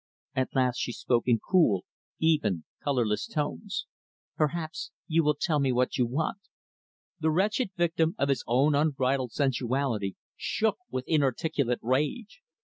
At last she spoke in cool, even, colorless tones; "Perhaps you will tell me what you want?" The wretched victim of his own unbridled sensuality shook with inarticulate rage.